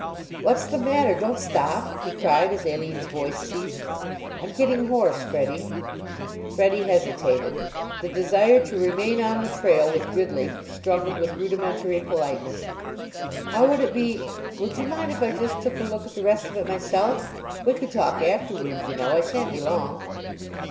"What's the matter? Don't stop!" he cried as Aline's voice ceased. "I'm getting hoarse, Freddie." Freddie hesitated. The desire to remain on the trail with Gridley struggled with rudimentary politeness. "How would it be Would you mind if I just took a look at the rest of it myself? We could talk afterward, you know. I shan't be long."